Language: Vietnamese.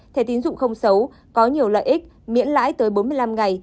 thẻ tín dụng không xấu có nhiều lợi ích miễn lãi tới bốn mươi năm ngày